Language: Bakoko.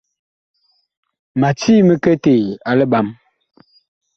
Ma cii miketee a liɓam.